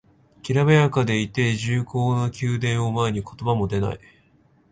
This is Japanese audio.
きらびやかでいて重厚な宮殿を前に言葉も出ない